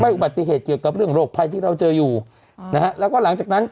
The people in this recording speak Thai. อุบัติเหตุเกี่ยวกับเรื่องโรคภัยที่เราเจออยู่นะฮะแล้วก็หลังจากนั้น